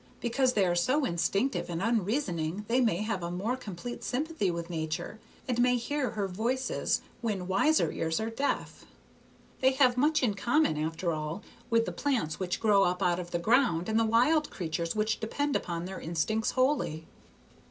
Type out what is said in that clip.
Because they are so instinctive and unreasoning they may have a more complete sympathy with Nature, and may hear her voices when wiser ears are deaf. They have much in common, after all, with the plants which grow up out of the ground and the wild creatures which depend upon their instincts wholly."